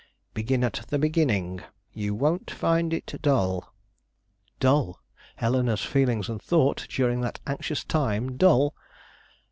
Begin at the beginning; you won't find it dull." Dull! Eleanore's feelings and thoughts during that anxious time, dull!